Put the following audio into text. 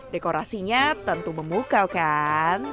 dekorasinya tentu memukau kan